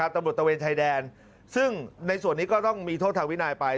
ตะเวนชายแดนซึ่งในส่วนนี้ก็ต้องมีโทษทางวินัยไป